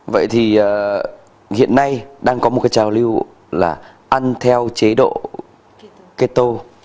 vậy thì hiện nay đang có một cái trào lưu là ăn theo chế độ keto